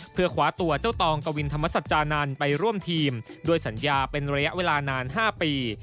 เพื่อคว้าตัวกวินธรรมศัตริย์จานัลไปร่วมทีมด้วยสัญญาเป็นระยะเวลานาน๕ปี